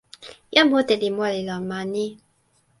jan mute li moli lon ma ni.